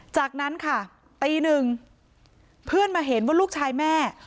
จากนั้นค่ะตีหนึ่งเพื่อนมาเห็นว่าลูกชายแม่